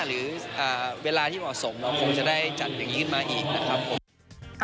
หรือเวลาที่เหมาะสมเราคงจะได้จัดอย่างนี้ขึ้นมาอีกนะครับผม